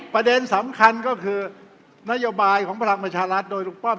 ประเด็นสำคัญก็คือนโยบายของภารณะมนตร์ชาติรัฐโดยหลวกป้อม